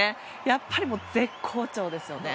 やっぱり絶好調ですよね。